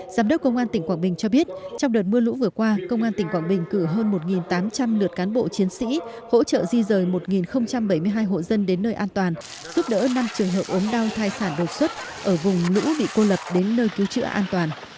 giám đốc công an tỉnh quảng bình cho biết trong đợt mưa lũ vừa qua công an tỉnh quảng bình cử hơn một tám trăm linh lượt cán bộ chiến sĩ hỗ trợ di rời một bảy mươi hai hộ dân đến nơi an toàn giúp đỡ năm trường hợp ốm đau thai sản đột xuất ở vùng lũ bị cô lập đến nơi cứu trữa an toàn